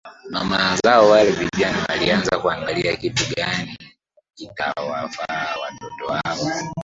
Mama zao wale vijana walianza kuangalia kitu gani kitawafaa Watoto wao